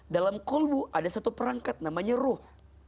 dalam kolbu ada satu perangkat namanya ruh